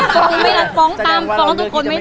ฟ้องตามฟ้องทุกคนไม่ทัน